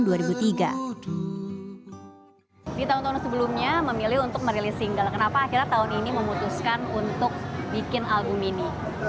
di tahun tahun sebelumnya memilih untuk merilis single kenapa akhirnya tahun ini memutuskan untuk bikin album ini